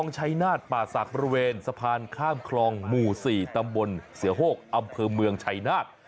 ชัยนาฏป่าศักดิ์บริเวณสะพานข้ามคลองหมู่๔ตำบลเสือโฮกอำเภอเมืองชัยนาธ